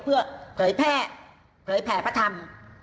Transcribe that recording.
เพื่อเผยแพร่แพร่พระธรรม